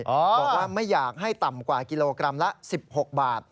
บอกว่าไม่อยากให้ต่ำกว่ากิโลกรัมละ๑๖บาท